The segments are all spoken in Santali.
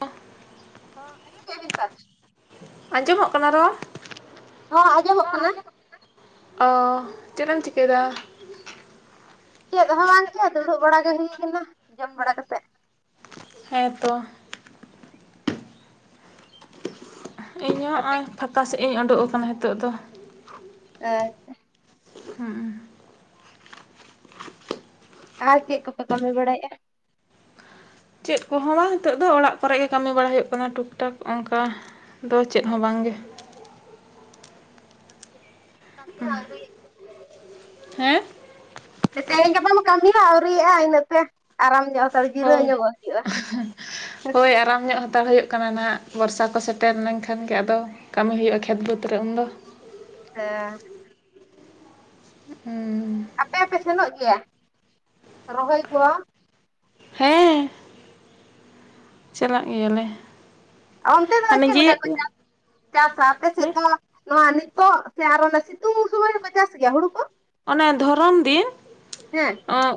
ᱚ [inaudible] ᱟᱸᱡᱚᱢᱚᱜ ᱠᱟᱱᱟ ᱨᱚᱲ? ᱦᱚᱸ ᱟᱸᱡᱚᱢᱚᱜ ᱠᱟᱱᱟ᱾ ᱚ, ᱪᱮᱫ ᱮᱢ ᱪᱤᱠᱟᱹᱭᱫᱟ? ᱪᱮᱫ ᱦᱚᱸ ᱵᱟᱝ ᱠᱮ ᱫᱩᱲᱩᱵ ᱵᱟᱲᱟ ᱜᱮ ᱦᱩᱭ ᱟᱠᱟᱱᱟ ᱡᱚᱢ ᱵᱟᱲᱟ ᱠᱟᱛᱮᱫ᱾ ᱦᱮᱸ ᱛᱚ᱾ ᱤᱧ ᱦᱚᱸ ᱟᱯᱮ ᱦᱚᱸᱜᱼᱚᱭ ᱯᱷᱟᱸᱠᱟ ᱥᱮᱫ ᱤᱧ ᱳᱰᱳᱜ ᱟᱠᱟᱱᱟ ᱱᱤᱛᱚᱜ ᱫᱚ᱾ ᱚᱸᱮ ᱦᱩᱸ ᱟᱨ ᱪᱮᱫ ᱠᱚᱯᱮ ᱠᱟᱹᱢᱤ ᱵᱟᱲᱟᱭᱮᱫᱼᱟ ᱪᱮᱫ ᱠᱚᱦᱚᱸ ᱵᱟᱝ ᱱᱤᱛᱚᱜ ᱫᱚ ᱚᱲᱟᱜ ᱠᱚᱨᱮ ᱜᱮ ᱠᱟᱹᱢᱤ ᱵᱟᱲᱟ ᱦᱩᱭᱩᱜ ᱠᱟᱱᱟ ᱴᱩᱠ ᱴᱟᱠ ᱚᱱᱠᱟ ᱫᱚ ᱪᱮᱫ ᱦᱚᱸ ᱵᱟᱝ ᱜᱮ [unintelligible] ᱦᱮᱸ ᱛᱮᱦᱮᱧ ᱜᱟᱯᱟ ᱢᱟ ᱠᱟᱹᱢᱤ ᱦᱚᱸ ᱟᱹᱣᱨᱤᱭᱟᱜᱼᱟ ᱤᱱᱟᱹᱛᱮ ᱟᱨᱟᱢ ᱡᱚᱜ ᱦᱟᱛᱟᱲᱟᱹᱧ ᱦᱳᱭ ᱦᱳᱭ ᱟᱨᱟᱢ ᱧᱚᱜ ᱦᱟᱛᱟᱣ ᱦᱩᱭᱩᱜ ᱠᱟᱱᱟ ᱦᱟᱹᱜ ᱵᱚᱨᱥᱟ ᱠᱚ ᱥᱮᱴᱮᱨ ᱞᱮᱱᱠᱷᱟᱱ ᱜᱮ ᱟᱫᱚ ᱠᱟᱹᱢᱤ ᱦᱩᱭᱩᱜᱼᱟ ᱠᱷᱮᱛ ᱵᱟᱹᱫᱽ ᱨᱮ ᱩᱱᱫᱚ ᱦᱮᱸ ᱦᱩᱸ ᱟᱯᱮ ᱦᱚᱸᱯᱮ ᱥᱮᱱᱚᱜ ᱜᱮᱭᱟ ᱨᱚᱦᱚᱭ ᱠᱚᱣᱟ ᱦᱮᱸ ᱪᱟᱞᱟᱜ ᱜᱮᱭᱟᱞᱮ ᱚᱱᱛᱮ ᱫᱚ ᱦᱟᱱᱮ ᱪᱮᱫ ᱡᱮ ᱞᱮᱠᱟ ᱠᱚ ᱪᱟᱥ ᱪᱟᱥᱟ ᱟᱯᱮ ᱥᱮᱫ ᱦᱮᱸ ᱫᱚ ᱱᱚᱣᱟ ᱱᱤᱛᱚᱜ ᱥᱮ ᱟᱨᱚ ᱚᱱᱟ ᱥᱤᱛᱩᱝ ᱥᱩᱢᱚᱭ ᱦᱚᱠᱚ ᱪᱟᱥ ᱜᱮᱭᱟ ᱦᱩᱲᱩ ᱠᱚ ᱚᱱᱮ ᱫᱷᱚᱨᱚᱱ ᱫᱤᱱ ᱦᱮᱸ?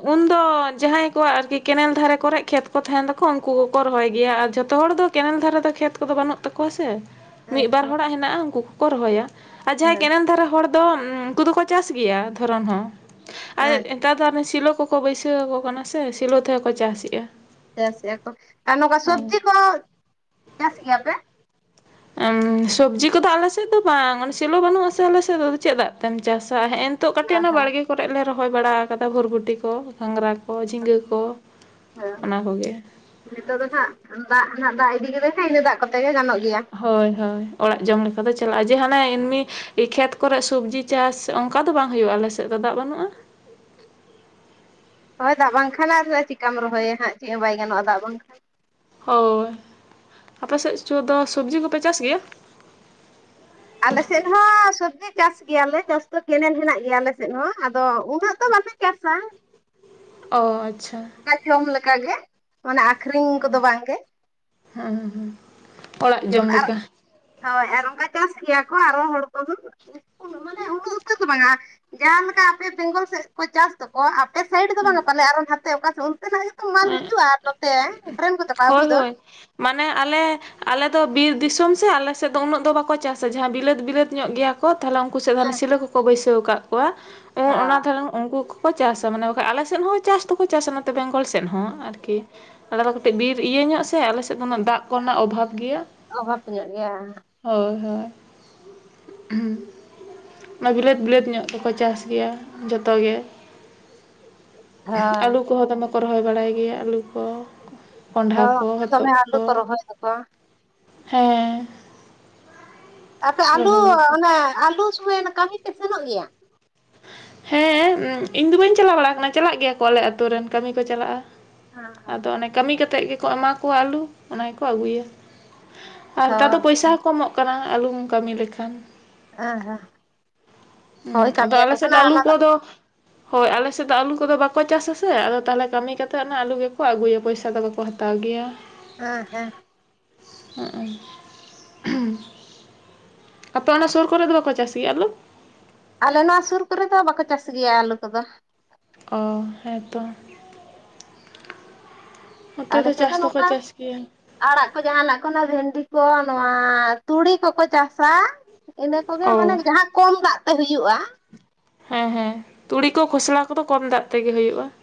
ᱩᱱ ᱫᱚ ᱡᱟᱦᱟᱸᱭ ᱠᱚᱣᱟᱜ ᱟᱨᱠᱤ ᱠᱮᱱᱮᱞ ᱫᱷᱟᱨᱮ ᱠᱚᱨᱮ ᱠᱷᱮᱛ ᱠᱚ ᱛᱟᱦᱮᱱ ᱛᱟᱠᱚ ᱩᱱᱠᱩ ᱠᱚᱠᱚ ᱨᱚᱦᱚᱭ ᱜᱮᱭᱟ ᱟᱨ ᱡᱷᱚᱛᱚ ᱦᱚᱲ ᱫᱚ ᱠᱮᱱᱮᱞ ᱫᱷᱟᱨᱮ ᱫᱚ ᱠᱷᱮᱛ ᱠᱚᱫᱚ ᱵᱟᱹᱱᱩᱜ ᱛᱟᱠᱚᱣᱟ ᱥᱮ ᱢᱤᱫ ᱵᱟᱨ ᱟᱪᱪᱷᱟ ᱦᱚᱲᱟᱜ ᱦᱮᱱᱟᱜᱼᱟ ᱩᱱᱠᱩ ᱠᱚᱠᱚ ᱨᱚᱦᱚᱭᱟ ᱟᱨ ᱡᱟᱦᱟᱸᱭ ᱦᱮᱸ ᱠᱮᱱᱮᱞ ᱫᱷᱟᱨᱮ ᱦᱚᱲ ᱫᱚ ᱩᱱᱠᱩ ᱫᱚᱠᱚ ᱪᱟᱥ ᱜᱮᱭᱟ ᱫᱷᱚᱨᱚᱱ ᱦᱚᱸ ᱟᱨ ᱦᱮᱸ ᱱᱮᱛᱟᱨ ᱫᱚ ᱟᱱᱮ ᱥᱤᱞᱚ ᱠᱚᱠᱚ ᱵᱟᱹᱭᱥᱟᱹ ᱟᱠᱚ ᱠᱟᱱᱟ ᱥᱮ ᱥᱤᱞᱚ ᱛᱮᱦᱚᱸ ᱠᱚ ᱪᱟᱥ ᱮᱼᱟ ᱪᱟᱥ ᱮᱜᱼᱟ ᱠᱚ ᱟᱨ ᱱᱚᱝᱠᱟ ᱥᱚᱵᱡᱤ ᱠᱚ ᱪᱟᱥ ᱜᱮᱭᱟ ᱯᱮ ᱥᱚᱵᱽᱡᱤ ᱠᱚᱫᱚ ᱟᱞᱮ ᱥᱮᱫ ᱫᱚ ᱵᱟᱝ ᱚᱱᱮ ᱥᱮᱞᱚ ᱵᱟᱹᱱᱩᱜ ᱟᱥᱮ ᱟᱞᱮ ᱥᱮᱫ ᱫᱚ ᱪᱮᱫ ᱫᱟᱜ ᱛᱮᱢ ᱪᱟᱥᱟ ᱦᱮᱸᱜ ᱮᱱ ᱱᱤᱛᱚᱜ ᱠᱟᱹᱴᱤᱡ ᱦᱮᱸ ᱚᱱᱟ ᱦᱮᱸ ᱵᱟᱲᱜᱮ ᱠᱚᱨᱮ ᱞᱮ ᱨᱚᱦᱚᱭ ᱵᱟᱲᱟ ᱟᱠᱟᱫᱟ ᱵᱷᱚᱨᱷᱩᱴᱤ ᱠᱚ ᱜᱷᱟᱝᱽᱨᱟ ᱠᱚ ᱡᱷᱤᱸᱜᱟᱹ ᱠᱚ ᱦᱮᱸ ᱚᱱᱟ ᱠᱚᱜᱮ ᱱᱤᱛᱚᱜ ᱫᱚ ᱱᱟᱦᱜ ᱫᱟᱜ ᱱᱟᱜ ᱫᱟᱜ ᱤᱫᱤ ᱠᱮᱫᱟᱭ ᱥᱮ ᱤᱱᱟᱹ ᱫᱟᱜ ᱠᱚᱛᱮ ᱜᱮ ᱜᱟᱱᱚᱜ ᱜᱮᱭᱟ ᱦᱳᱭ ᱦᱳᱭ ᱚᱲᱟᱜ ᱡᱚᱢ ᱞᱮᱠᱟ ᱫᱚ ᱪᱟᱞᱟᱜᱼᱟ ᱡᱮ ᱦᱟᱱᱮ ᱮᱢᱱᱤ ᱠᱷᱮᱛ ᱠᱚᱨᱮ ᱥᱚᱵᱽᱡᱤ ᱪᱟᱥ ᱚᱱᱠᱟ ᱫᱚ ᱵᱟᱝ ᱦᱩᱭᱩᱜᱼᱟ ᱟᱞᱮᱥᱮᱫ ᱫᱚ ᱫᱟᱜ ᱵᱟᱹᱱᱩᱜᱼᱟ ᱦᱳᱭ ᱫᱟᱜ ᱵᱟᱝᱠᱷᱟᱱ ᱟᱨ ᱪᱤᱠᱟᱢ ᱨᱚᱦᱚᱭᱟ ᱦᱟᱸᱜ ᱪᱮᱫ ᱦᱚᱸ ᱵᱟᱭ ᱜᱟᱱᱚᱜᱼᱟ ᱫᱟᱜ ᱵᱟᱝᱠᱷᱟᱱ ᱦᱳᱭ ᱟᱯᱮ ᱥᱮᱫᱪᱚ ᱫᱚ ᱥᱚᱵᱡᱤ ᱠᱚᱯᱮ ᱪᱟᱥ ᱜᱮᱭᱟ ᱟᱞᱮᱥᱮᱫ ᱦᱚᱸ ᱥᱚᱵᱽᱡᱤ ᱪᱟᱥ ᱜᱮᱭᱟᱞᱮ ᱪᱟᱥ ᱫᱚ ᱠᱮᱱᱮᱞ ᱦᱮᱱᱟᱜ ᱜᱮᱭᱟ ᱟᱞᱮᱥᱮᱫ ᱦᱚᱸ ᱟᱫᱚ ᱩᱱᱟᱹᱜ ᱫᱚ ᱵᱟᱞᱮ ᱪᱟᱥᱟ ᱚ ᱟᱪᱪᱷᱟ ᱮᱠᱟᱞ ᱡᱚᱢ ᱞᱮᱠᱟ ᱜᱮ ᱢᱟᱱᱮ ᱟᱠᱷᱨᱤᱧ ᱠᱚᱫᱚ ᱵᱟᱝᱜᱮ ᱦᱮᱸ ᱦᱮᱸ ᱚᱲᱟᱜ ᱡᱚᱢ ᱟᱨ ᱞᱮᱠᱟ ᱦᱳᱭ ᱟᱨ ᱚᱱᱠᱟ ᱪᱟᱥ ᱜᱮᱭᱟ ᱠᱚ ᱟᱨᱚ ᱦᱚᱲ ᱠᱚᱦᱚ ᱩᱱᱟᱹᱜ ᱢᱟᱱᱮ ᱩᱱᱱᱟᱹ ᱩᱛᱟᱹᱨ ᱫᱚ ᱵᱟᱝ ᱡᱟᱦᱟᱸ ᱞᱮᱠᱟ ᱟᱯᱮ ᱵᱮᱝᱜᱚᱞ ᱥᱮᱫ ᱠᱚ ᱪᱟᱥ ᱫᱚ ᱚ ᱟᱯᱮ ᱥᱟᱭᱤᱰ ᱫᱚ ᱦᱮᱸ ᱵᱟᱝᱟ ᱯᱟᱞᱮ ᱟᱨ ᱱᱟᱱᱛᱮ ᱚᱠᱟ ᱥᱮᱫ ᱚᱱᱛᱮ ᱱᱟᱜ ᱜᱮᱛᱚ ᱢᱟᱞ ᱦᱤᱡᱩᱜᱼᱟ ᱱᱚᱛᱮ ᱴᱨᱮᱱ ᱠᱚᱫᱚ ᱟᱹᱜᱩᱭ ᱦᱳᱭ ᱫᱚ ᱦᱳᱭ ᱢᱟᱱᱮ ᱟᱞᱮ ᱟᱞᱮᱫᱚ ᱵᱤᱨ ᱫᱤᱥᱚᱢ ᱥᱮ ᱟᱞᱮᱥᱮᱫ ᱫᱚ ᱩᱱᱟᱹᱜ ᱫᱚ ᱵᱟᱠᱚ ᱪᱟᱥᱟ ᱡᱟᱦᱟᱸ ᱵᱤᱞᱟᱹᱛ ᱵᱤᱞᱟᱹᱛ ᱧᱚᱜ ᱜᱮᱭᱟ ᱛᱟᱦᱚᱞᱮ ᱩᱱᱠᱩ ᱥᱮᱫᱮ ᱦᱳᱭ ᱥᱤᱞᱟᱹ ᱠᱚᱠᱚ ᱵᱟᱹᱭᱥᱟᱹᱣ ᱟᱠᱟᱫ ᱠᱚᱣᱟ ᱚᱱᱟ ᱫᱷᱟᱨᱮ ᱩᱱᱠᱩ ᱠᱚᱠᱚ ᱪᱟᱥᱟ ᱢᱟᱱᱮ ᱵᱟᱠᱷᱟᱱ ᱟᱞᱮᱮᱥᱮᱫ ᱦᱚᱸ ᱪᱟᱥ ᱫᱚᱠᱚ ᱪᱟᱥᱟ ᱱᱚᱛᱮ ᱵᱮᱝᱜᱚᱞ ᱥ ᱟᱞ ᱥᱮᱫ ᱦᱚᱸ ᱟᱨᱠᱤ ᱟ ᱠᱟᱛᱮ ᱵᱤᱨ ᱤᱭᱟᱹ ᱧᱚᱜ ᱥᱮ ᱟᱞᱮ ᱥᱮᱫ ᱫᱚ ᱩᱱᱟᱹᱜ ᱫᱟᱜ ᱠᱚᱨᱮᱱᱟᱜ ᱚᱵᱷᱟᱵᱽ ᱜᱮᱭᱟ ᱚ ᱵᱷᱟᱵᱽᱯ ᱧᱚᱜ ᱜᱮᱭᱟ ᱦᱳᱭ ᱦᱳᱭ ᱦ ᱚᱱᱟ ᱵᱤᱞᱟᱹᱛ ᱵᱤᱞᱟᱹᱛ ᱧᱚᱜ ᱫᱚᱠᱚ ᱪᱟᱥ ᱜᱮᱭᱟ ᱡᱷᱚᱛᱚ ᱜᱮ ᱦᱳᱭ ᱟᱹᱞᱩ ᱠᱚᱦᱚᱸ ᱫᱚᱢᱮ ᱠᱚ ᱨᱚᱦᱚᱭ ᱵᱟᱲᱟᱭ ᱜᱮᱭᱟ ᱟᱹᱞᱩ ᱠᱚ ᱠᱚᱸᱰᱦᱟ ᱦᱳᱭ ᱠᱚ, ᱫᱚᱢᱮ ᱦᱚᱛᱚᱫ ᱟᱞᱩ ᱠᱚ ᱨᱚᱦᱚᱭ ᱫᱟᱠᱚ ᱦᱮᱸ ᱟᱯᱮ ᱟᱞᱩ ᱨᱚᱦᱚᱭᱟᱠᱚ ᱚᱱᱮ ᱟᱞᱩ ᱥᱚᱢᱚᱭ ᱠᱟᱹᱢᱤ ᱯᱮ ᱥᱮᱱᱚᱜ ᱜᱮᱭᱟ? ᱦᱮᱸ ᱤᱧ ᱫᱚ ᱵᱟᱹᱧ ᱪᱟᱞᱟᱣ ᱵᱟᱲᱟ ᱟᱠᱟᱱᱟ ᱪᱟᱞᱟᱜ ᱜᱮᱭᱟ ᱠᱚ ᱟᱞᱮ ᱟᱛᱳ ᱨᱮᱱ ᱠᱟᱹᱢᱤ ᱠᱚ ᱪᱟᱞᱟᱜᱼᱟ ᱾ ᱟᱫᱚ ᱚᱱᱮ ᱠᱟᱹᱢᱤ ᱠᱟᱛᱮᱜ ᱜᱮᱠᱚ ᱮᱢᱟ ᱠᱚᱣᱟ ᱟᱞᱩ ᱚᱱᱟ ᱜᱮᱠᱚ ᱟᱹᱜᱩᱭᱟ ᱾ ᱟᱨ ᱦᱮᱛᱟᱨ ᱦᱳᱭ ᱫᱚ ᱯᱚᱭᱥᱟ ᱦᱚᱸᱠᱚ ᱮᱢᱚᱜ ᱠᱟᱱᱟ ᱟᱞᱩᱢ ᱠᱟᱹᱢᱤ ᱞᱮᱠᱷᱟᱱ ᱾ ᱮᱜ ᱦᱮᱸ ᱦᱳᱭ ᱦᱩᱸ ᱟᱫᱚ ᱠᱟᱹᱢᱤᱭᱟᱠᱚ ᱟᱞᱮ ᱥᱮᱫ ᱠᱟᱱᱟ ᱫᱚ ᱟᱞᱩ ᱚᱱᱟ ᱠᱚᱫᱚ ᱦᱳᱭ ᱟᱞᱮ ᱥᱮᱫ ᱫᱚ ᱟᱹᱞᱩ ᱠᱚᱫᱚ ᱵᱟᱠᱚ ᱪᱟᱥᱟ ᱥᱮ ᱟᱫᱚ ᱛᱟᱦᱚᱞᱮ ᱠᱟᱹᱢᱤ ᱠᱟᱛᱮᱫ ᱚᱱᱟ ᱟᱞᱩ ᱜᱮᱠᱚ ᱟᱹᱜᱩᱭᱟ ᱯᱚᱭᱥᱟ ᱫᱚ ᱵᱟᱠᱚ ᱦᱟᱛᱟ ᱛᱟᱣ ᱜᱮᱭᱟ ᱾ ᱟᱸ ᱦᱮᱸ ᱦᱩᱸ ᱟᱯᱮ ᱚᱱᱟ ᱥᱳᱨ ᱠᱚᱨᱮᱫ ᱵᱟᱠᱚ ᱪᱟᱥ ᱜᱮᱭᱟ ᱟᱹᱞᱩ? ᱟᱞᱮ ᱱᱚᱣᱟ ᱥᱩᱨ ᱠᱚᱨᱮ ᱫᱚ ᱵᱟᱠᱚ ᱪᱟᱥ ᱜᱮᱭᱟ ᱟᱞᱩ ᱠᱚᱫᱚ ᱾ ᱚ ᱦᱮᱸ ᱛᱚ ᱱᱚᱛᱮ ᱟᱞᱮ ᱫᱚ ᱥᱮᱫ ᱪᱟᱥ ᱫᱚᱠᱚ ᱱᱚᱝᱠᱟ ᱪᱟᱥ ᱜᱮᱭᱟ ᱾ ᱟᱲᱟᱜ ᱠᱚ ᱡᱟᱦᱟᱱᱟᱜ ᱠᱚ ᱵᱷᱮᱱᱰᱤ ᱠᱚ ᱱᱚᱣᱟ ᱛᱩᱲᱤ ᱠᱚᱠᱚ ᱪᱟᱥᱟ ᱾ ᱤᱱᱟᱹ ᱠᱚᱜᱮ ᱢᱟᱱᱮ ᱚ ᱡᱟᱦᱟᱸ ᱠᱚᱢ ᱫᱟᱜ ᱛᱮ ᱦᱩᱭᱩᱜᱼᱟ ᱾ ᱦᱮᱸ ᱦᱮᱸ ᱛᱩᱲᱤ ᱠᱚ ᱠᱷᱚᱥᱞᱟ ᱠᱚᱫᱚ ᱠᱚᱢ ᱫᱟᱜ ᱛᱮᱜᱮ ᱦᱩᱭᱩᱜᱼᱟ ᱾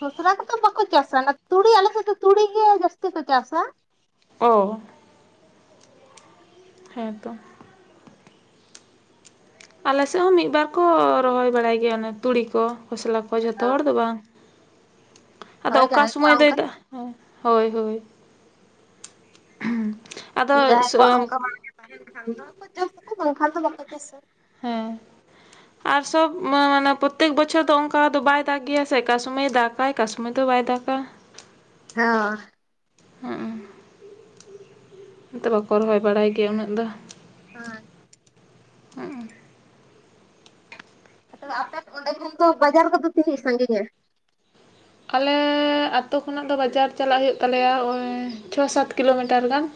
ᱠᱷᱚᱥᱞᱟ ᱠᱚ ᱫᱚ ᱵᱟᱠᱚ ᱪᱟᱥᱟ ᱚᱱᱟ ᱛᱩᱲᱤ ᱟᱞᱮ ᱥᱮᱫ ᱫᱚ ᱛᱩᱲᱤᱜᱮ ᱡᱟᱹᱥᱛᱤ ᱠᱚ ᱪᱟᱥᱟ ᱾ ᱚ ᱦᱮᱸ ᱛᱚ ᱟᱞᱮ ᱥᱮᱫ ᱦᱚᱸ ᱢᱤᱫ ᱵᱟᱨ ᱠᱚ ᱨᱚᱦᱚᱭ ᱵᱟᱲᱟᱭ ᱜᱮᱭᱟ ᱚᱱᱮ ᱛᱩᱲᱤ ᱠᱚ ᱠᱷᱚᱥᱞᱟ ᱠᱚ ᱡᱷᱚᱛᱚ ᱦᱚᱲ ᱫᱚ ᱵᱟᱝ ᱾ ᱟᱫᱚ ᱦᱳᱭ ᱚᱠᱟ ᱡᱟᱦᱟᱸᱭ ᱠᱚ ᱥᱚᱢᱚᱭ ᱚᱱᱠᱟ ᱫᱚᱭ ᱫᱟ ᱦᱮᱸ ᱦᱳᱭ ᱦᱳᱭ ᱾ ᱡᱟᱦᱟᱭ ᱠᱚᱣᱟᱜ ᱚᱱᱠᱟ ᱵᱟᱲᱜᱮ ᱛᱟᱦᱮᱱ ᱠᱷᱟᱱ ᱫᱚᱠᱚ ᱪᱟᱥ ᱟᱠᱚ ᱵᱟᱝᱠᱷᱟᱱ ᱫᱚ ᱵᱟᱠᱚ ᱪᱟᱥᱟ ᱾ ᱦᱮᱸ ᱟᱨ ᱥᱚᱵ ᱢᱟᱱᱮ ᱯᱨᱚᱛᱛᱮᱠ ᱵᱚᱪᱷᱚᱨ ᱫᱚ ᱚᱱᱠᱟ ᱫᱚ ᱵᱟᱭ ᱫᱟᱜ ᱜᱮᱭᱟ ᱥᱮ ᱚᱠᱟ ᱥᱚᱢᱚᱭ ᱫᱟᱠᱟᱭ ᱚᱠᱟ ᱥᱚᱢᱚᱭ ᱫᱚ ᱵᱟᱭ ᱫᱟᱠᱟ ᱾ ᱦᱮᱸ ᱚᱱᱟᱛᱮ ᱵᱟᱠᱚ ᱨᱚᱦᱚᱭ ᱵᱟᱲᱟᱭ ᱜᱮᱭᱟ ᱩᱱᱟᱹᱜ ᱫᱚ ᱾ ᱦᱚᱭ [unintelligible] ᱟ ᱟᱯᱮ ᱚᱸᱰᱮ ᱠᱷᱚᱱ ᱫᱚ ᱵᱟᱡᱟᱨ ᱠᱚᱫᱚ ᱛᱤᱱᱟᱹᱜ ᱥᱟᱹᱜᱤᱧᱟ? ᱟᱞᱮ ᱟᱛᱳ ᱠᱷᱚᱱᱟᱜ ᱫᱚ ᱵᱟᱡᱟᱨ ᱪᱟᱞᱟᱜ ᱦᱩᱭᱩᱜ ᱛᱟᱞᱮᱭᱟ ᱳᱭ ᱪᱷᱚ ᱥᱟᱛ ᱠᱤᱞᱳᱢᱤᱴᱟᱨ ᱜᱟᱱ ᱾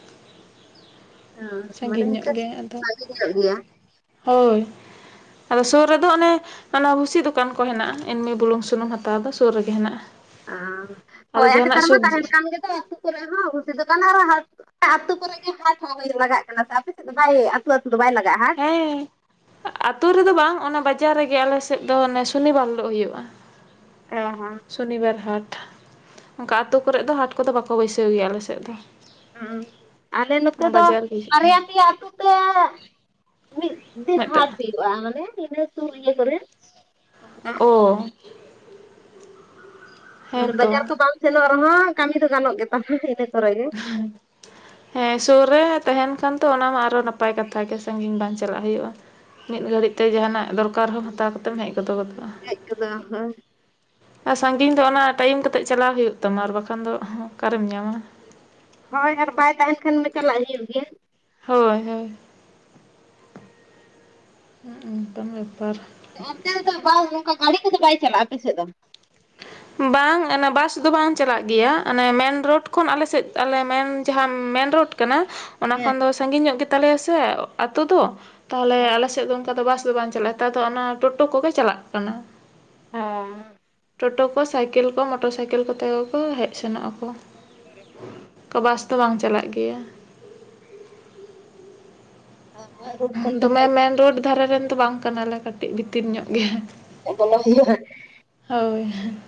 ᱦᱚᱸ ᱢᱟᱱᱮ ᱧᱚᱜ ᱤᱱᱠᱟᱹ ᱜᱮ ᱟᱫᱚ ᱥᱟᱹᱜᱤᱧ ᱧᱚᱜ ᱜᱮᱭᱟ ᱾ ᱦᱳᱭ ᱟᱫᱚ ᱥᱩᱨ ᱨᱮᱫᱚ ᱚᱱᱮ ᱚᱱᱟ ᱵᱷᱩᱥᱤ ᱫᱚᱠᱟᱱ ᱠᱚ ᱦᱮᱱᱟᱜᱼᱟ ᱮᱢᱱᱤ ᱵᱩᱞᱩᱝ ᱥᱩᱱᱩᱢ ᱦᱟᱛᱟᱣ ᱫᱚ ᱥᱳᱨ ᱨᱮᱜᱮ ᱦᱮᱱᱟᱜᱼᱟ ᱾ ᱦᱳᱭ ᱱᱮᱛᱟᱨ ᱢᱟ ᱛᱟᱦᱮᱱ ᱜᱮ ᱫᱚ ᱟᱹᱛᱩ ᱠᱚᱨᱮᱫ ᱦᱚ ᱵᱷᱩᱥᱤ ᱫᱚᱠᱟᱱ ᱟᱨ ᱟᱹᱛᱩ ᱠᱚᱨᱮᱜ ᱜᱮ ᱦᱟᱴ ᱦᱚᱸ ᱞᱟᱜᱟᱜ ᱠᱟᱱᱟ ᱥᱮ ᱟᱯᱮ ᱥᱮᱫ ᱫᱚ ᱵᱟᱭ ᱟᱹᱛᱩ ᱟᱹᱛᱩ ᱫᱚ ᱵᱟᱭ ᱞᱟᱜᱟᱜᱼᱟ ᱦᱟᱴ? ᱦᱮᱸ ᱟᱛᱩ ᱨᱮᱫᱚ ᱵᱟᱝ ᱚᱱᱟ ᱵᱟᱡᱟᱨ ᱨᱮᱜᱮ ᱟᱞᱮ ᱥᱮᱫ ᱫᱚ ᱚᱱᱮ ᱥᱩᱱᱤ ᱵᱟᱨ ᱦᱚᱜ ᱦᱩᱭᱩᱜᱼᱟ ᱾ ᱚ ᱦᱚᱸ ᱥᱚᱱᱤ ᱵᱟᱨ ᱦᱟᱴ ᱚᱱᱠᱟ ᱟᱛᱳ ᱠᱚᱨᱮᱫ ᱫᱚ ᱦᱟᱴ ᱠᱚᱫᱚ ᱵᱟᱠᱚ ᱵᱟᱹᱭᱥᱟᱹᱣ ᱜᱮᱭᱟ ᱟᱞᱮ ᱥᱮᱫ ᱫᱚ ᱾ ᱦᱚᱸ ᱟᱞᱮ ᱱᱚᱛᱮ ᱫᱚ ᱜᱮ ᱦᱩᱭᱩᱜ ᱵᱟᱨᱭᱟ ᱜᱮᱭᱟ ᱯᱮᱭᱟ ᱟᱹᱛᱩ ᱛᱮ ᱢᱤᱫ ᱫᱤᱱ ᱢᱤᱫᱴᱟᱝ ᱦᱟᱴ ᱦᱩᱭᱩᱜᱼᱟ ᱢᱟᱱᱮ ᱤᱱᱟᱹ ᱥᱩᱨ ᱤᱭᱟᱹ ᱠᱚᱨᱮ ᱚᱱᱟ ᱚ ᱢᱟᱱᱮ ᱦᱮᱸᱛᱚ ᱵᱟᱡᱟᱨ ᱠᱚ ᱵᱟᱝ ᱥᱮᱱᱚᱜ ᱨᱮᱦᱚᱸ ᱠᱟᱹᱢᱤ ᱫᱚ ᱜᱟᱱᱚᱜ ᱜᱮ ᱛᱟᱦᱮ ᱤᱱᱟᱹ ᱠᱚᱨᱮ ᱜᱮ ᱾ ᱦᱳᱭ ᱦᱮᱸ ᱥᱳᱨ ᱨᱮ ᱛᱟᱦᱮᱱ ᱠᱷᱟᱱ ᱛᱚ ᱚᱱᱟ ᱢᱟ ᱟᱨᱚ ᱱᱟᱯᱟᱭ ᱠᱟᱛᱷᱟ ᱜᱮ ᱥᱟᱹᱜᱤᱧ ᱵᱟᱝ ᱪᱟᱞᱟᱜ ᱦᱩᱭᱩᱜᱼᱟ ᱾ ᱢᱤᱫ ᱜᱷᱟᱹᱲᱤᱡ ᱛᱮ ᱡᱟᱦᱟᱱᱟᱜ ᱫᱚᱨᱠᱟᱨ ᱦᱚᱸ ᱦᱟᱛᱟᱣ ᱠᱟᱛᱮᱢ ᱦᱮᱡ ᱜᱚᱫᱚ ᱜᱚᱫᱚᱜᱼᱟ ᱾ ᱦᱮᱡ ᱜᱚᱫᱚᱜᱼᱟ ᱦᱳᱭ᱾ ᱟᱨ ᱥᱟᱺᱜᱤᱧ ᱫᱚ ᱚᱱᱟ ᱴᱟᱭᱤᱢ ᱠᱟᱛᱮᱫ ᱪᱟᱞᱟᱣ ᱦᱩᱭᱩᱜ ᱛᱟᱢᱟ ᱟᱨ ᱵᱟᱠᱷᱟᱱ ᱫᱚ ᱦᱚᱸ ᱚᱠᱟᱨᱮᱢ ᱧᱟᱢᱟ᱾ ᱦᱳᱭ ᱟᱨ ᱵᱟᱭ ᱛᱟᱦᱮᱱ ᱠᱷᱟᱱ ᱢᱟ ᱪᱟᱞᱟᱜ ᱜᱮ ᱦᱩᱭ ᱮᱱ ᱦᱳᱭ ᱦᱳᱭ᱾ ᱦᱩ ᱚᱱᱠᱟᱱ ᱵᱮᱯᱟᱨ ᱾ ᱚᱱᱛᱮ ᱫᱚ ᱵᱟᱭ ᱚᱱᱠᱟ ᱜᱟᱹᱲᱤ ᱠᱚᱫᱚ ᱵᱟᱭ ᱪᱟᱞᱟᱜᱼᱟ ᱟᱯᱮ ᱥᱮᱫ ᱫᱚ? [unintelligible] ᱵᱟᱝ ᱚᱱᱮ ᱵᱟᱥ ᱫᱚ ᱵᱟᱝ ᱪᱟᱞᱟᱜ ᱜᱮᱭᱟ ᱚᱱᱮ ᱢᱮᱱ ᱨᱳᱰ ᱠᱷᱚᱱ ᱟᱞᱮᱥᱮᱫ ᱟᱞᱮ ᱢᱮᱱ ᱡᱟᱦᱟᱸ ᱢᱮᱱ ᱨᱳᱰ ᱠᱟᱱᱟ [inaudible] ᱚᱱᱟ ᱦᱮᱸ ᱠᱷᱚᱱ ᱫᱚ ᱥᱟᱺᱜᱤᱧ ᱧᱚᱜ ᱜᱮ ᱛᱟᱞᱮᱭᱟ ᱥᱮ ᱟᱛᱳ ᱫᱚ ᱛᱟᱦᱚᱞᱮ ᱦᱮᱸ ᱟᱞᱮ ᱥᱮᱜ ᱫᱚ ᱚᱱᱠᱟ ᱫᱚ ᱵᱟᱥ ᱫᱚ ᱵᱟᱝ ᱪᱟᱞᱟᱜᱼᱟ᱾ ᱱᱮᱛᱟᱨ ᱫᱚ ᱚᱱᱟ ᱴᱳᱴᱳ ᱠᱚᱜᱮ ᱪᱟᱞᱟᱜ ᱠᱟᱱᱟ᱾ ᱦᱮᱸ ᱴᱳᱴᱳ ᱠᱚ ᱥᱟᱭᱠᱮᱞ ᱠᱚ ᱢᱚᱴᱚᱨ ᱥᱟᱭᱠᱮᱞ ᱠᱚᱛᱮ ᱜᱮ ᱠᱚ ᱦᱮᱡ ᱥᱮᱱᱚᱜ ᱟᱠᱚ ᱠᱚ ᱵᱟᱥ ᱫᱚ ᱵᱟᱝ ᱪᱟᱞᱟᱜ ᱜᱮᱭᱟ᱾ ᱦᱳᱭ ᱨᱳᱰ ᱠᱷᱚᱱ ᱯᱮ ᱫᱚᱢᱮ ᱥᱟᱭᱤᱰ ᱢᱮᱱ ᱨᱳᱰ ᱫᱷᱟᱨᱮ ᱨᱮᱱ ᱫᱚ ᱵᱟᱝ ᱠᱟᱱᱟᱞᱮ ᱠᱟᱹᱴᱤᱡ ᱵᱷᱤᱛᱤᱨ ᱧᱚᱜ ᱜᱮ ᱚ ᱵᱚᱞᱚ ᱦᱳᱭᱳᱜᱼᱟ ᱦᱳᱭ ᱦᱟᱸᱜ ᱾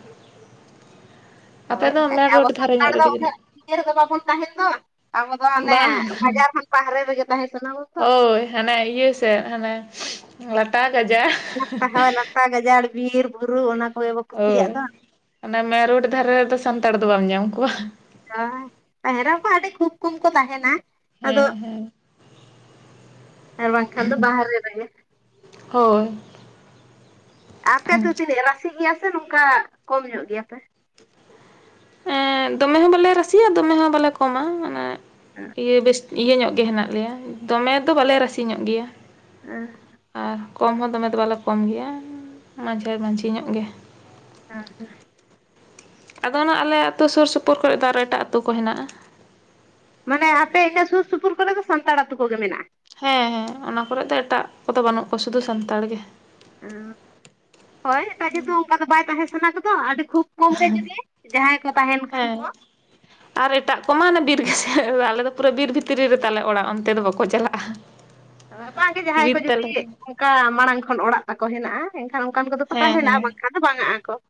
ᱦᱳᱭ ᱚᱱᱠᱟ ᱜᱮ ᱟᱵᱚ ᱥᱟᱱᱛᱟᱲ ᱫᱚ ᱩᱱᱟᱹᱜ ᱤᱭᱟᱹ ᱨᱮᱫᱚ ᱵᱟᱵᱚᱱ ᱛᱟᱦᱮᱸᱱ ᱫᱚ ᱟᱵᱚ ᱫᱚ ᱦᱟᱱᱮ ᱵᱟᱝ ᱵᱟᱡᱟᱨ ᱠᱷᱚᱱ ᱵᱟᱦᱨᱮ ᱨᱮᱜᱮ ᱛᱟᱦᱮᱸ ᱥᱟᱱᱟ ᱵᱚᱱ ᱦᱳᱭ ᱦᱟᱱᱮ ᱤᱭᱟᱹ ᱥᱮᱫ ᱦᱟᱱᱮ ᱞᱟᱴᱟ ᱜᱟᱡᱟᱲ ᱦᱳᱭ ᱞᱟᱴᱟ ᱜᱟᱡᱟᱲ ᱵᱤᱨ ᱵᱩᱨᱩ ᱚᱱᱟ ᱠᱚ ᱦᱳᱭ ᱚᱱᱮ ᱢᱮᱱ ᱨᱳᱴ ᱫᱷᱟᱨᱮ ᱨᱮᱫᱚ ᱥᱟᱱᱛᱟᱲ ᱫᱚ ᱵᱟᱢ ᱧᱟᱢ ᱠᱚᱣᱟ᱾ ᱦᱳᱭ ᱛᱟᱦᱮᱱ ᱨᱮᱦᱚᱸ ᱠᱚ ᱟᱹᱰᱤ ᱠᱷᱩᱵ ᱠᱚᱢ ᱠᱚ ᱛᱟᱦᱮᱱᱟ ᱟᱫᱚ ᱦᱮᱸ ᱦᱮᱸ ᱟᱨ ᱵᱟᱝ ᱠᱷᱟᱱ ᱫᱚ ᱵᱟᱨᱦᱮᱨ ᱨᱮᱜᱮ ᱾ ᱦᱳᱭ᱾ ᱟᱯᱮ ᱛᱚ ᱛᱤᱱᱟᱹᱜ ᱨᱟᱥᱤ ᱜᱮᱭᱟ ᱥᱮ ᱱᱚᱝᱠᱟ ᱠᱚᱢ ᱧᱚᱜ ᱜᱮᱭᱟᱯᱮ? ᱫᱚᱢᱮ ᱦᱚᱸ ᱵᱟᱞᱮ ᱨᱟᱥᱤᱭᱟ ᱫᱚᱢᱮ ᱦᱚᱸ ᱵᱟᱞᱮ ᱠᱚᱢᱟ ᱢᱟᱱᱮ ᱤᱭᱟᱹ ᱵᱮᱥ ᱤᱭᱟᱹ ᱧᱚᱜ ᱜᱮ ᱦᱮᱱᱟᱜ ᱞᱮᱭᱟ ᱫᱚᱢᱮ ᱫᱚ ᱵᱟᱞᱮ ᱨᱟᱥᱤ ᱧᱚᱜ ᱜᱮᱭᱟ ᱾ [unintelligible] ᱟᱨ ᱠᱚᱢ ᱦᱚᱸ ᱫᱚᱢᱮ ᱫᱚ ᱵᱟᱞᱮ ᱠᱚᱢ ᱜᱮᱭᱟ ᱢᱟᱡᱷᱮ ᱢᱟᱡᱷᱷᱤ ᱧᱚᱜ ᱜᱮ᱾ ᱚ ᱦᱮᱸ ᱟᱫᱚ ᱚᱱᱟ ᱟᱞᱮ ᱟᱛᱳ ᱥᱳᱨ ᱥᱳᱯᱳᱨ ᱠᱚᱨᱮ ᱫᱚ ᱟᱨ ᱮᱴᱟᱜ ᱟᱛᱳ ᱠᱚ ᱦᱮᱱᱟᱜᱼᱟ᱾ ᱢᱟᱱᱮ ᱟᱯᱮ ᱤᱱᱟᱹ ᱥᱩᱨ ᱥᱩᱯᱩᱨ ᱠᱚᱨᱮ ᱫᱚ ᱥᱟᱱᱛᱟᱲ ᱟᱛᱳ ᱠᱚᱜᱮ ᱢᱮᱱᱟᱜᱼᱟ᱾ ᱦᱮᱸ ᱦᱮᱸ ᱚᱱᱟ ᱠᱚᱨᱮ ᱫᱚ ᱮᱴᱟᱜ ᱠᱚᱫᱚ ᱵᱟᱹᱱᱩᱜ ᱠᱚᱣᱟ ᱥᱩᱫᱷᱩ ᱥᱟᱱᱛᱟᱲ ᱜᱮ᱾ [unintelligible] ᱦᱳᱭ ᱮᱴᱟᱜ ᱠᱤᱱᱛᱩ ᱚᱱᱠᱟ ᱫᱚ ᱵᱟᱭ ᱛᱟᱦᱮᱸ ᱥᱟᱱᱟ ᱫᱚ ᱫᱚ ᱟᱹᱰᱤ ᱠᱷᱩᱵ ᱠᱚᱢ ᱜᱮ ᱡᱩᱫᱤ ᱡᱟᱦᱟᱸᱭ ᱠᱚ ᱛᱟᱦᱮᱱ ᱠᱷᱟᱱ ᱦᱮᱸ ᱠᱚ᱾ ᱟᱨ ᱮᱴᱟᱜ ᱠᱚᱢᱟ ᱟᱱᱮ ᱵᱤᱨ ᱜᱟᱡᱟᱲ ᱟᱞᱮ ᱫᱚ ᱯᱩᱨᱟᱹ ᱵᱤᱨ ᱵᱷᱤᱛᱨᱤ ᱨᱮᱛᱟᱞᱮ ᱚᱲᱟᱜ ᱚᱱᱛᱮ ᱫᱚ ᱵᱟᱠᱚ ᱪᱟᱞᱟᱜᱼᱟ᱾ ᱦᱳᱭ ᱵᱟᱝ ᱜᱮ ᱡᱟᱦᱟᱸᱭ ᱵᱤᱨ ᱠᱚ ᱡᱩᱫᱤ ᱛᱟᱞᱮ ᱨᱮ ᱚᱱᱠᱟ ᱢᱟᱲᱟᱝ ᱠᱷᱚᱱ ᱚᱲᱟᱜ ᱛᱟᱠᱚ ᱦᱮᱱᱟᱜᱼᱟ ᱮᱱᱠᱷᱟᱱ ᱚᱱᱠᱟᱱ ᱠᱚᱫᱚ ᱠᱚ ᱦᱮᱸ ᱛᱟᱦᱮᱱᱟ ᱦᱮᱸ ᱵᱟᱝ ᱠᱷᱟᱱ ᱫᱚ ᱵᱟᱝ ᱟᱜᱼᱟ ᱠᱚ ᱾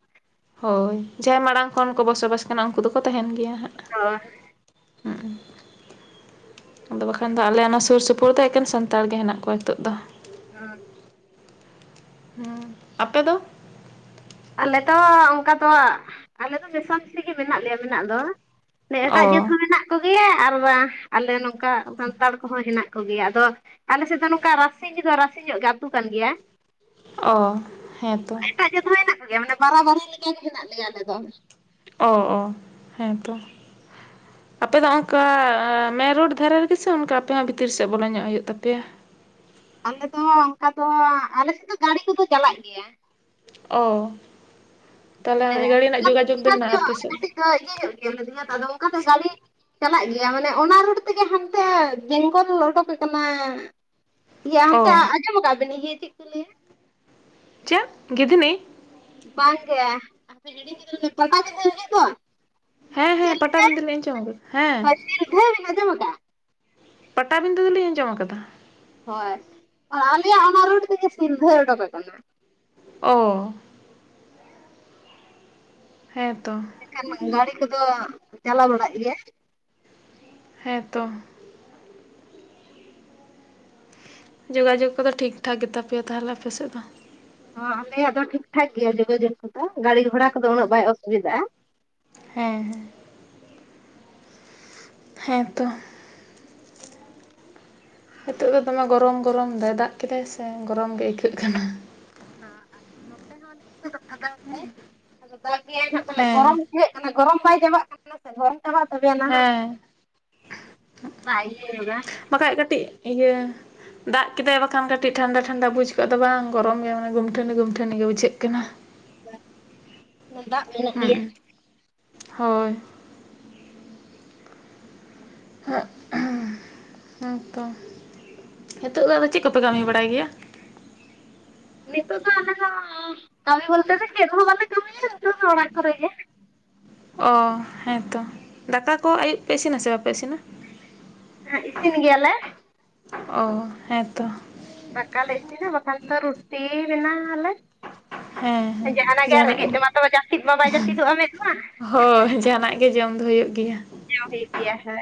ᱦᱳᱭ ᱡᱟᱦᱟᱸᱭ ᱢᱟᱲᱟᱝ ᱠᱷᱚᱱ ᱠᱚ ᱵᱚᱥᱚᱵᱟᱥ ᱠᱟᱱᱟ ᱩᱱᱠᱩ ᱫᱚᱠᱚ ᱛᱟᱦᱮᱱ ᱜᱮᱭᱟ ᱦᱟᱸᱜ᱾ ᱦᱩᱸᱜᱻ ᱟᱫᱚ ᱵᱟᱠᱷᱟᱱ ᱫᱚ ᱟᱞᱮ ᱚᱱᱟ ᱥᱩᱨ ᱥᱩᱯᱩᱨ ᱫᱚ ᱮᱠᱮᱱ ᱥᱟᱱᱛᱟᱲ ᱜᱮ ᱦᱮᱱᱟᱜ ᱠᱚᱣᱟ ᱱᱤᱛᱚᱜ ᱫᱚ ᱾ [unintelligible] ᱦᱩᱸ, ᱟᱯᱮ ᱫᱚ? ᱟᱞᱮ ᱫᱚ ᱚᱱᱠᱟ ᱫᱚ ᱟᱞᱮ ᱫᱚ ᱢᱮᱥᱟᱥ ᱛᱮᱜᱮ ᱢᱮᱱᱟᱜ ᱞᱮᱭᱟ ᱢᱮᱱᱟᱜ ᱫᱚ ᱾ ᱚ ᱮᱴᱟᱜ ᱡᱟᱹᱛ ᱦᱚᱸ ᱢᱮᱱᱟᱜ ᱠᱚ ᱜᱮᱭᱟ ᱟᱨ ᱵᱟ ᱟᱞᱮ ᱱᱚᱝᱠᱟ ᱥᱟᱱᱛᱟᱲ ᱠᱚᱦᱚᱸ ᱦᱮᱱᱟᱜ ᱠᱚ ᱜᱮᱭᱟ, ᱟᱫᱚ ᱟᱞᱮ ᱥᱮᱫ ᱫᱚ ᱱᱚᱝᱠᱟ ᱨᱟᱹᱥᱤ ᱪᱮᱫᱟ ᱨᱟᱹᱥᱤ ᱧᱚᱸᱜ ᱜᱮ ᱟᱛᱩ ᱠᱟᱱ ᱜᱮᱭᱟ ᱾ ᱚ, ᱦᱮᱸ ᱛᱚ ᱾ ᱴᱷᱤᱠ ᱜᱮᱭᱟ ᱢᱟᱱᱮ ᱵᱟᱨᱟ ᱵᱟᱨᱤ ᱞᱮᱠᱟᱜᱮ ᱦᱮᱱᱟᱜ ᱞᱮᱭᱟ ᱟᱞᱮ ᱫᱚ ᱾ ᱚ ᱚ, ᱦᱮᱸ ᱛᱚ ᱾ ᱟᱯᱮ ᱫᱚ ᱚᱝᱠᱟ ᱢᱮᱱ ᱨᱳᱰ ᱫᱷᱟᱨᱮ ᱨᱮᱜᱤ ᱥᱮ ᱚᱱᱠᱟ ᱟᱯᱮ ᱦᱚᱸ ᱵᱷᱤᱛᱤᱨ ᱥᱮᱫ ᱵᱚᱞᱚ ᱧᱚᱸᱜ ᱦᱩᱭᱩᱜ ᱛᱟᱯᱮᱭᱟ? ᱟᱞᱮ ᱫᱚ ᱚᱝᱠᱟ ᱫᱚ ᱟᱞᱮ ᱥᱮᱫ ᱫᱚ ᱜᱟᱲᱤ ᱠᱚᱫᱚ ᱪᱟᱞᱟᱜ ᱜᱮᱭᱟ᱾ ᱚ, ᱛᱟᱦᱚᱞᱮ ᱚᱭ ᱜᱟᱹᱲᱤ ᱨᱮᱱᱟᱜ ᱡᱳᱜᱟᱡᱳᱜᱽ ᱫᱚ ᱦᱮᱱᱟᱜᱼᱟ ᱟᱯᱮ ᱥᱮᱫ? ᱦᱳᱭ ᱤᱭᱟᱹ ᱧᱚᱸᱜ ᱜᱮᱭᱟ [unintelligible] ᱟᱫᱚ ᱚᱱᱠᱟᱛᱮ ᱜᱟᱲᱤ ᱪᱟᱞᱟᱜ ᱜᱮᱭᱟ ᱢᱟᱱᱮ ᱚᱱᱟ ᱨᱳᱰ ᱛᱮᱜᱮ ᱦᱟᱱᱛᱮ ᱵᱮᱝᱜᱚᱞ ᱩᱰᱩᱠ ᱠᱟᱱᱟ᱾ ᱤᱭᱟᱹ ᱦᱟᱱᱛᱮ ᱚ ᱟᱸᱡᱚᱢ ᱟᱠᱟᱫ ᱵᱤᱱ ᱤᱭᱟᱹ ᱪᱮᱫ ᱠᱚ ᱞᱟᱹᱭᱟ? ᱪᱮᱫ ᱜᱤᱫᱷᱱᱤ? ᱵᱟᱝ ᱜᱮ, ᱦᱟᱯᱮ ᱦᱤᱲᱤᱧ ᱠᱮᱫᱟ ᱞᱤᱧ [unintelligible] ᱦᱤᱡᱩᱜ ᱫᱚ ᱦᱮᱸ ᱦᱮᱸ ᱯᱟᱴᱟᱵᱤᱸᱫᱟᱹ [unintelligible] ᱦᱮᱸ᱾ ᱦᱮᱸ ᱞᱤᱧ ᱟᱸᱡᱚᱢ ᱠᱟᱜᱼᱟ᱾ ᱯᱟᱴᱟᱵᱤᱸᱫᱟᱹ ᱫᱚᱞᱤᱧ ᱟᱸᱡᱚᱢ ᱠᱟᱫᱟ᱾ ᱦᱳᱭ, ᱟᱞᱮᱭᱟᱜ ᱚᱱᱟ ᱨᱳᱰ ᱛᱮᱜᱮ ᱥᱤᱞᱫᱷᱟᱹ ᱚᱰᱳᱠ ᱟᱠᱟᱱᱟ᱾ ᱚ ᱦᱮᱸ ᱛᱚ᱾ ᱠᱷᱟᱱ ᱜᱟᱲᱤ ᱠᱚᱫᱚ ᱪᱟᱞᱟᱣ ᱵᱟᱲᱟᱜ ᱜᱮᱭᱟ᱾ ᱦᱮᱸ ᱛᱚ᱾ ᱡᱳᱜᱟᱡᱳᱜᱽ ᱠᱚᱫᱚ ᱴᱷᱤᱠ ᱴᱷᱟᱠ ᱜᱮᱛᱟ ᱯᱮᱭᱟ ᱛᱟᱦᱚᱞᱮ ᱟᱯᱮ ᱥᱮᱫ ᱫᱚ᱾ ᱦᱚᱸ ᱟᱞᱮᱭᱟᱜ ᱫᱚ ᱴᱷᱤᱠ ᱴᱷᱟᱠ ᱜᱮᱭᱟ ᱡᱳᱜᱟᱡᱳᱜᱽ ᱠᱚᱫᱚ ᱜᱟᱲᱤᱨ ᱜᱷᱳᱲᱟ ᱠᱚᱫᱚ ᱩᱱᱟᱹᱜ ᱵᱟᱭ ᱚᱥᱩᱵᱤᱫᱟᱜᱼᱟ᱾ ᱦᱮᱸ ᱦᱮᱸ᱾ ᱦᱮᱸ ᱛᱚ᱾ ᱱᱤᱛᱚᱜ ᱫᱚ ᱫᱚᱢᱮ ᱜᱚᱨᱚᱢ ᱜᱚᱨᱚᱢ ᱫᱟᱭ ᱫᱟᱜ ᱠᱮᱫᱟᱭ ᱥᱮ ᱜᱚᱨᱚᱢ ᱜᱮ ᱟᱹᱭᱠᱟᱹᱜ ᱠᱟᱱᱟ᱾ ᱦᱚᱸ ᱟᱨ ᱱᱚᱛᱮ ᱦᱚᱸ ᱱᱤᱛᱫᱚ [unintelligible] ᱟᱫᱚ ᱫᱟᱜ ᱜᱮᱭᱟᱭ ᱦᱟᱸᱜ ᱯᱟᱞᱮᱫ ᱦᱮᱸ ᱜᱚᱨᱚᱢ ᱵᱩᱡᱷᱟᱹᱜ ᱠᱟᱱᱟ ᱜᱚᱨᱚᱢ ᱵᱟᱭ ᱪᱟᱵᱟᱜ ᱠᱟᱱᱟ ᱥᱮ ᱜᱚᱨᱚᱢ ᱪᱟᱵᱟᱜ ᱛᱚᱵᱮ ᱱᱟᱦᱟᱜ, ᱦᱮᱸ ᱵᱟᱭ ᱤᱭᱟᱹᱣᱫᱟ᱾ ᱵᱟᱠᱷᱟᱡ ᱠᱟᱹᱴᱤᱡ ᱤᱭᱟᱹ ᱫᱟᱜ ᱠᱮᱫᱟᱭ ᱵᱟᱠᱷᱟᱱ ᱠᱟᱹᱴᱤᱡ ᱴᱷᱟᱱᱰᱟ ᱴᱷᱟᱱᱰᱟ ᱵᱩᱡᱷ ᱠᱚᱜᱼᱟ ᱫᱚ ᱵᱟᱝ ᱜᱚᱨᱚᱢ ᱜᱮ ᱢᱟᱱᱮ ᱜᱩᱢᱴᱷᱟᱹᱱᱤ ᱜᱩᱢᱴᱷᱟᱹᱱᱤ ᱜᱮ ᱵᱩᱡᱷᱟᱹᱜ ᱠᱟᱱᱟ᱾ ᱫᱟᱜ ᱢᱮᱱᱟᱜ ᱜᱮᱭᱟ ᱦᱩᱸ, ᱦᱳᱭ᱾ ᱦᱩᱸ ᱛᱚ, ᱦᱤᱛᱳᱜ ᱫᱚ ᱟᱫᱚ ᱪᱮᱫ ᱠᱚᱯᱮ ᱠᱟᱹᱢᱤ ᱵᱟᱲᱟᱭ ᱜᱮᱭᱟ? ᱱᱤᱛᱚᱜ ᱫᱚ ᱟᱞᱮ ᱫᱚ ᱠᱟᱹᱢᱤ ᱵᱚᱞᱛᱮ ᱫᱚ ᱪᱮᱫ ᱦᱚ ᱵᱟᱞᱮ ᱠᱟᱹᱢᱤᱭᱟ ᱱᱤᱛᱚᱝ ᱫᱚ ᱚᱲᱟᱜ ᱠᱚᱨᱮ ᱜᱮ᱾ ᱚ ᱦᱮᱸ ᱛᱚ, ᱫᱟᱠᱟ ᱠᱚ ᱟᱹᱭᱩᱵ ᱯᱮ ᱤᱥᱤᱱᱟ ᱥᱮ ᱵᱟᱯᱮ ᱤᱥᱤᱱᱟ? ᱦᱮᱸ, ᱤᱥᱤᱱ ᱜᱮᱭᱟᱞᱮ᱾ ᱚ ᱦᱮᱸ ᱛᱚ᱾ ᱫᱟᱠᱟ ᱞᱮ ᱤᱥᱤᱱᱟ ᱵᱟᱠᱷᱟᱱ ᱫᱚ ᱨᱩᱴᱤ ᱵᱮᱱᱟᱣ ᱟᱞᱮ᱾ ᱦᱮᱸ ᱦᱮᱸ ᱜᱮ ᱟᱨ ᱡᱟᱦᱟᱱᱟᱜ ᱜᱤ, ᱨᱮᱸᱜᱮᱡ ᱛᱮᱢᱟ ᱛᱚ ᱡᱟᱹᱯᱤᱫ ᱢᱟ ᱵᱟᱭ ᱡᱟᱹᱯᱤᱫᱚᱜᱼᱟ ᱢᱮᱫ ᱢᱟ ᱦᱳᱭ ᱡᱟᱦᱟᱱᱟᱜ ᱜᱮ ᱡᱚᱢ ᱫᱚ ᱦᱩᱭᱩᱜ ᱜᱤᱭᱟ᱾ ᱡᱚᱢ ᱦᱩᱭᱩᱜ ᱜᱮᱭᱟ ᱦᱮ᱾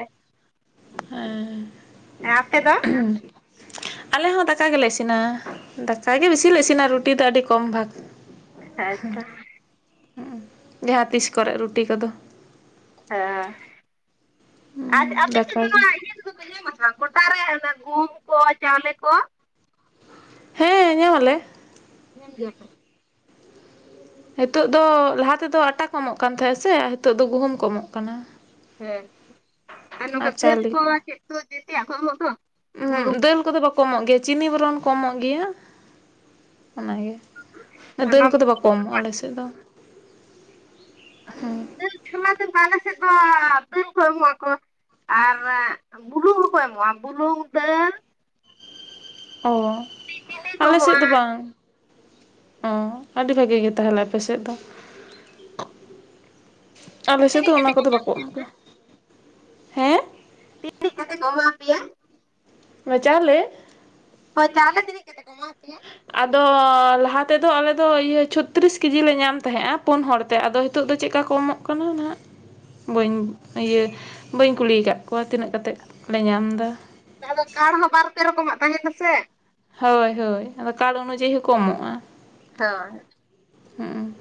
ᱦᱮᱸ᱾ ᱟᱯᱮ ᱫᱚ ᱟᱞᱮ ᱦᱚᱸ ᱫᱟᱠᱟ ᱜᱮᱞᱮ ᱤᱥᱤᱱᱟ ᱫᱟᱠᱟ ᱜᱮ ᱵᱤᱥᱤ ᱞᱮ ᱤᱥᱤᱱᱟ ᱨᱩᱴᱤ ᱫᱚ ᱟᱹᱰᱤ ᱠᱚᱢ ᱵᱷᱟᱜᱽ᱾ ᱦᱮᱸ ᱛᱚ᱾ ᱡᱟᱦᱟᱸ ᱛᱤᱥ ᱠᱚᱨᱮ ᱨᱩᱴᱤ ᱠᱚᱫᱚ᱾ ᱦᱮᱸ ᱟᱨ ᱟᱯᱮ ᱥᱮᱫ‌ ᱫᱟᱠᱟ ᱫᱚ ᱜᱮ ‌ᱱᱚᱣᱟ ᱤᱭᱟᱹ ᱠᱚᱫᱚ ᱯᱮ ᱧᱟᱢᱟ ᱥᱮ ᱵᱟᱝ? ᱜᱚᱴᱟ ᱨᱮ ᱚᱱᱟ ᱜᱩᱦᱩᱢ ᱠᱚ ᱪᱟᱣᱞᱮ ᱠᱚ ᱦᱮᱸ ᱧᱟᱢ ᱟᱞᱮ ᱦᱮᱸ [unintelligible] ᱱᱤᱛᱚᱜ ᱫᱚ ᱞᱟᱦᱟ ᱛᱮᱫᱚ ᱟᱴᱟ ᱠᱚ ᱮᱢᱚᱜ ᱠᱟᱱ ᱛᱟᱦᱮᱸᱜᱼᱟ ᱥᱮ ᱱᱤᱛᱚᱜ ᱫᱚ ᱜᱩᱦᱩᱢ ᱠᱚ ᱮᱢᱚᱜ ᱠᱟᱱᱟ ᱦᱮᱸ ᱟᱨ ᱱᱚᱝᱠᱟ [unintelligible] ᱠᱚ ᱪᱮᱫ ᱠᱚ ᱡᱮᱛᱮᱭᱟᱜ ᱠᱚ ᱮᱢᱚᱜ ᱫᱚ ᱩᱦᱩᱜ ᱵᱩᱞᱩᱝ ᱫᱟᱹᱞ ᱠᱚᱫᱚ ᱵᱟᱠᱚ ᱮᱢᱚᱜ ᱜᱮᱭᱟ ᱪᱤᱱᱤ ᱵᱚᱨᱚᱱ ᱠᱚ ᱮᱢᱚᱜ ᱜᱮᱭᱟ ᱚᱱᱟᱜᱮ ᱟᱨ ᱫᱟᱹᱞ ᱚᱱᱟ ᱠᱚᱫᱚ ᱵᱟᱠᱚ ᱮᱢᱚᱜ-ᱟ ᱟᱞᱮ ᱥᱮᱫ ᱫᱚ ᱫᱟᱞ ᱠᱷᱞᱟ [unintelligible] ᱠᱚ ᱮᱢᱚᱜ ᱟᱠᱚ ᱟᱨ ᱵᱩᱞᱩᱝ ᱦᱚᱸᱠᱚ ᱮᱢᱚᱜᱼᱟ ᱵᱩᱞᱩᱝ ᱫᱟᱹᱞ ᱚ ᱪᱤᱱᱤ ᱠᱚ ᱟᱞᱮ ᱥᱮᱫ ᱮᱢᱚᱜᱼᱟ ᱫᱚ ᱵᱟᱝ ᱚ ᱟᱹᱰᱤ ᱵᱷᱟᱜᱮ ᱜᱮ ᱛᱟᱦᱞᱮ ᱟᱯᱮ ᱥᱮᱫ ᱫᱚ ᱟᱞᱮ ᱥᱮᱫ ᱛᱤᱱᱟᱹᱜ ᱫᱚ ᱚᱱᱟ ᱠᱟᱛᱮ ᱠᱚᱫᱚ ᱵᱟᱠᱚ ᱮᱢᱜᱟ ᱦᱮᱸ ᱛᱤᱱᱟᱜ ᱠᱟᱛᱮ ᱠᱚ ᱮᱢᱟ ᱯᱮᱭᱟ ᱚᱱᱟ-ᱪᱟᱹᱞᱮ ᱦᱳᱭ ᱪᱟᱹᱳᱞᱮ ᱛᱤᱱᱟ ᱠᱟᱛᱮ ᱠᱚ ᱮᱢᱟᱯᱮᱭᱟ ᱟᱫᱚ ᱞᱟᱦᱟ ᱛᱮᱫᱚ ᱟᱞᱮ ᱫᱚ ᱤᱭᱟᱹ ᱪᱷᱚᱛᱨᱤᱥ ᱠᱮᱡᱤ ᱞᱮ ᱧᱟᱢ ᱛᱟᱦᱮᱸᱜᱼᱟ ᱯᱩᱱ ᱦᱚᱲ ᱛᱮ ᱟᱫᱚ ᱱᱤᱛᱚᱜ ᱫᱚ ᱪᱮᱫ ᱠᱟ ᱠᱚᱢᱚᱜ ᱠᱟᱱᱟ ᱱᱟᱦᱟᱜ ᱵᱟᱹᱧ ᱤᱭᱟᱹ ᱵᱟᱹᱧ ᱠᱩᱞᱤ ᱠᱟᱫ ᱠᱚᱣᱟ ᱛᱤᱱᱟᱹᱜ ᱠᱟᱛᱮᱫ ᱞᱮ ᱧᱟᱢ ᱫᱟ ᱡᱟᱦᱟ ᱫᱚ ᱠᱟᱲ ᱦᱚᱸ ᱵᱟᱨᱯᱮ ᱨᱚᱠᱚᱢᱟᱜ ᱛᱟᱦᱮᱱᱟᱥᱮ ᱦᱳᱭ ᱦᱳᱭ ᱟᱫᱚ ᱠᱟᱲ ᱚᱱᱩᱡᱟᱭᱤ ᱦᱚᱸ ᱠᱚ ᱮᱢᱚᱜᱼᱟ ᱦᱳᱭ ᱦᱩᱸ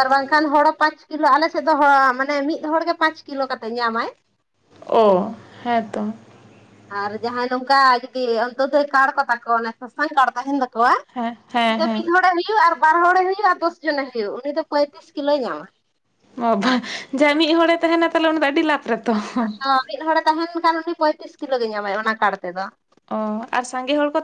ᱟᱨ ᱵᱟᱝᱠᱷᱟᱱ ᱦᱚᱲᱚ ᱯᱟᱸᱪ ᱠᱤᱞᱳ ᱟᱞᱮ ᱥᱮᱫ ᱫᱚ ᱦᱚ ᱢᱟᱱᱮ ᱢᱤᱫ ᱦᱚᱲᱜᱮ ᱯᱟᱸᱪ ᱠᱤᱞᱳ ᱠᱟᱛᱮᱜ ᱧᱟᱢᱟᱭ ᱚᱳ ᱦᱮᱸ ᱛᱚ ᱟᱨ ᱡᱟᱦᱟᱸᱭ ᱱᱚᱝᱠᱟ ᱡᱩᱫᱤ ᱚᱱᱛᱚᱫᱳᱭ ᱠᱟᱲ ᱠᱚ ᱛᱟᱟᱠᱚᱣᱟ ᱚᱱᱮ ᱥᱟᱥᱟᱝ ᱠᱟᱨ ᱛᱟᱦᱮᱱ ᱛᱟᱠᱚᱣᱟ ᱦᱮᱸ ᱦᱮᱸ ᱡᱮ ᱦᱮᱸ ᱢᱤᱫ ᱦᱚᱲᱮ ᱦᱩᱭᱩᱜ ᱟᱨ ᱵᱟᱨ ᱦᱚᱲᱮ ᱦᱩᱭᱩᱜᱼᱟ ᱟᱨ ᱫᱚᱥ ᱡᱚᱱᱮ ᱦᱩᱭᱩᱜ ᱩᱱᱤ ᱫᱚ ᱯᱚᱸᱭᱛᱨᱤᱥ ᱠᱤᱞᱳᱭ ᱧᱟᱢᱟ ᱵᱷᱟ ᱡᱟ ᱢᱤᱫ ᱦᱚᱲᱮ ᱛᱟᱦᱮᱱᱟ ᱛᱟᱦᱟᱞᱮ ᱩᱱᱤ ᱫᱚ ᱟᱹᱰᱤ ᱞᱟᱯ ᱦᱚ ᱢᱤᱫ ᱦᱚᱲᱮ ᱛᱟᱦᱮᱱ ᱠᱷᱟᱱ ᱩᱱᱤ ᱯᱚᱸᱭᱛᱨᱤᱥ ᱠᱤᱞᱳ ᱜᱮ ᱧᱟᱢᱟᱭ ᱚᱱᱟ ᱠᱟᱲ ᱛᱮᱫᱚ ᱚ ᱟᱨ ᱥᱟᱸᱜᱮ ᱦᱚᱲ ᱠᱚ